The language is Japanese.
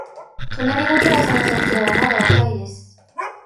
隣のクラスの先生はまだ若いです。